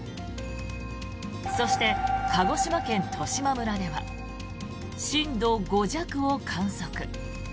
そして、鹿児島県十島村では震度５弱を観測。